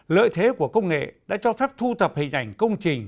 lợi thế của công nghệ đã cho phép thu thập hình ảnh công trình